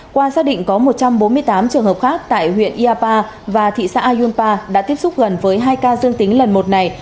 qua xác định có một trăm bốn mươi tám trường hợp khác tại huyện iapa và thị xã yunpa đã tiếp xúc gần với hai ca dương tính lần một này